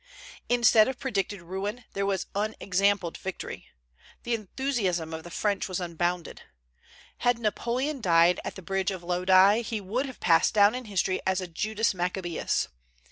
Instead of predicted ruin, there was unexampled victory. The enthusiasm of the French was unbounded. Had Napoleon died at the Bridge of Lodi, he would have passed down in history as a Judas Maccabaeus.